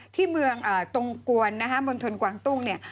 ที่เมืองตรงกวนนะฮะมณฑลกวางตุ้งเนี่ย